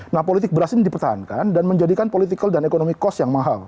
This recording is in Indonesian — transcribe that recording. nah politik beras ini dipertahankan dan menjadikan political dan ekonomi cost yang mahal